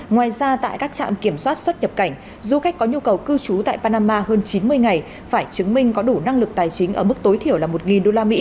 ngoài ra tại các trạm kiểm soát xuất nhập cảnh du khách có nhu cầu cư trú tại panama hơn chín mươi ngày phải chứng minh có đủ năng lực tài chính ở mức tối thiểu là một usd